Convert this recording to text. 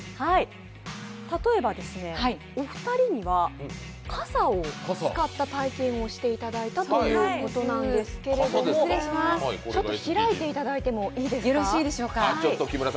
例えばですね、お二人には傘を使った体験をしていただいたということなんですけれど開いていただいてもよろしいですか？